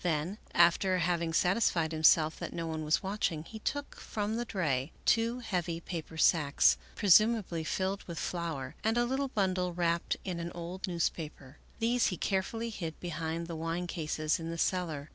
Then, after having satisfied himself that no one was watching, he took from the dray two heavy paper sacks, presumably filled with flour, and a little bundle wrapped in an old newspaper; these he care fully hid behind the wine cases in the cellar.